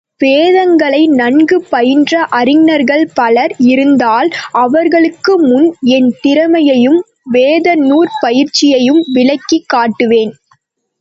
வேதங்களை நன்கு பயின்ற அறிஞர்கள் பலர் இருந்தால் அவர்களுக்குமுன் என் திறமையையும் வேதநூற் பயிற்சியையும் விளக்கிக் காட்டுவேன்!